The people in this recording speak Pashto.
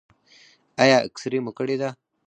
ایا اکسرې مو کړې ده؟